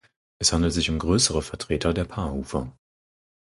Es handelt sich um größere Vertreter der Paarhufer.